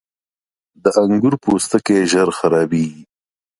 • د انګور پوستکی ژر خرابېږي.